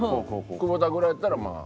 久保田ぐらいやったらまあ。